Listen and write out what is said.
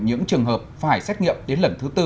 những trường hợp phải xét nghiệm đến lần thứ tư